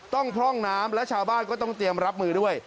พร่องน้ำและชาวบ้านก็ต้องเตรียมรับมือด้วย